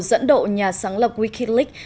dẫn độ nhà sáng lập wikileaks